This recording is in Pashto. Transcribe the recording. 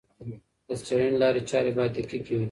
د څېړني لارې چارې باید دقیقې وي.